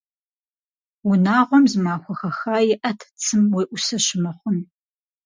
Унагъуэм зы махуэ хэха иӏэт цым уеӏусэ щымыхъун.